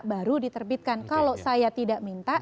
baru diterbitkan kalau saya tidak minta